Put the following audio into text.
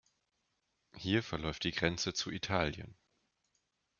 Hier verläuft die Grenze zu Italien.